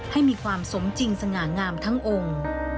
ให้มีความสมจริงสง่างามทั้งองค์